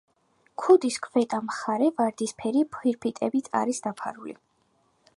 ქუდის ქვედა მხარე ვარდისფერი ფირფიტებით არის დაფარული.